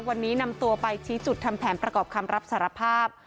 วันนี้นำตัวไปชี้จุดทำแผนประกอบคำรับสารภาพ